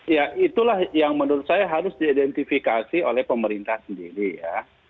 ya itulah yang menurut saya harus diidentifikasi oleh pemerintah sendiri ya